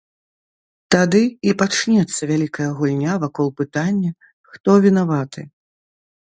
Тады і пачнецца вялікая гульня вакол пытання, хто вінаваты.